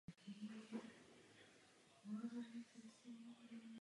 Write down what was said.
Nachází se v ní mnoho sladkovodních i slaných jezer.